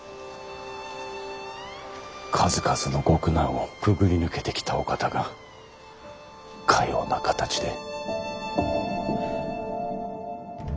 数々のご苦難をくぐり抜けてきたお方がかような形で。